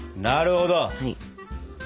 なるほど！